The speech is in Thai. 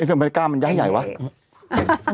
เย้เดี๋ยวอว์ไลการ์มันยายแย่ไว้